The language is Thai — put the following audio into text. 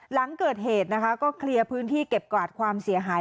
หลังเกิดเหตุนะคะก็เคลียร์พื้นที่เก็บกวาดความเสียหาย